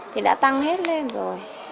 thì đã tăng hết lên rồi